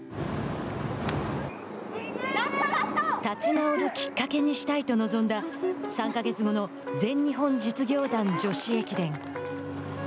立ち直るきっかけにしたいと臨んだ３か月後の全日本実業団女子駅伝。